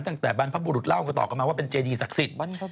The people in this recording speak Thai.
บรรพบุรุษเล่าก็ต่อกันมาว่าเป็นเจดีศักดิ์สิทธิ์